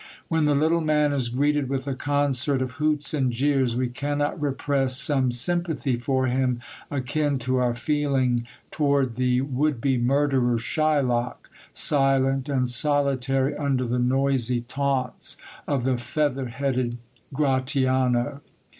When the little man is greeted with a concert of hoots and jeers, we cannot repress some sympathy for him, akin to our feeling toward the would be murderer Shylock, silent and solitary under the noisy taunts of the feather headed Gratiano.